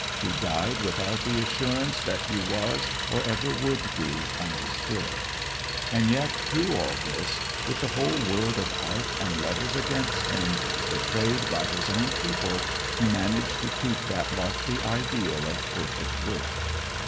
He died without the assurance that he was or ever would be understood. And yet through all this, with the whole world of art and letters against him, betrayed by his own people, he managed to keep that lofty ideal of perfect work.